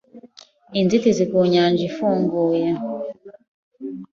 inzitizi ku nyanja ifunguye.